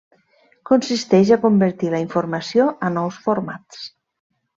Consisteix a convertir la informació a nous formats.